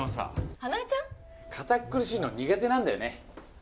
花恵ちゃん？かたっくるしいの、苦手なんだよね。